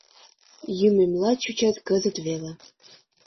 Юмемла чучат кызыт веле